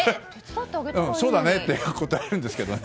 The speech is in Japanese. そうだねって答えるんですけどね。